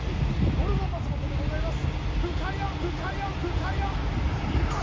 ゴルゴ松本でございます！